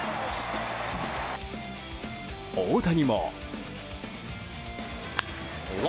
大谷も。